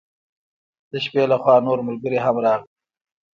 د شپې له خوا نور ملګري هم راغلل.